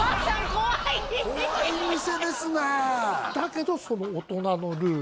怖い店ですねえだけどその大人のルール